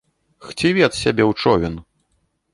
Хцівец сябе ў човен!